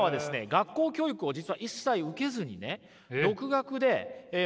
学校教育を実は一切受けずにね独学で学んだんです。